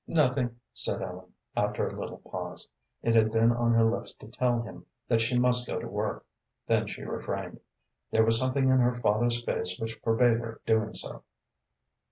"Nothing," said Ellen, after a little pause. It had been on her lips to tell him that she must go to work, then she refrained. There was something in her father's face which forbade her doing so.